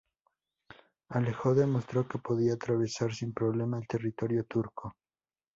Alejo demostró que podía atravesar sin problema el territorio turco.